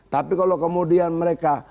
tapi kalau kemudian mereka